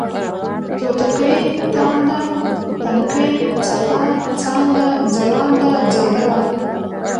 توتکۍ ، تانده ، تنکۍ ، څپه ، څانگه ، ځلانده ، ځلبله